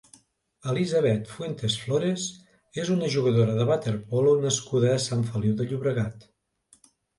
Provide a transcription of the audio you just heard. Elisabeth Fuentes Flores és una jugadora de waterpolo nascuda a Sant Feliu de Llobregat.